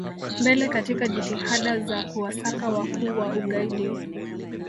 mbele katika jitihada za kuwasaka wakuu wa ugaidi